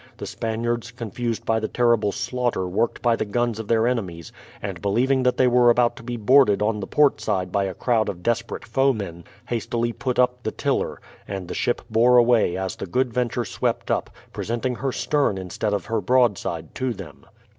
The Spaniards, confused by the terrible slaughter worked by the guns of their enemies, and believing that they were about to be boarded on the port side by a crowd of desperate foemen, hastily put up the tiller, and the ship bore away as the Good Venture swept up, presenting her stern instead of her broadside to them.